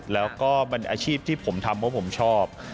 แล้วก็มันอาชีพที่ผมทำเพราะผมชอบ